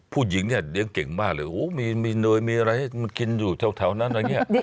ผู้หญิงเนี่ยเลี้ยงเก่งมากเลยมีเนยมีอะไรมันกินอยู่แถวนั้นอะไรเนี่ย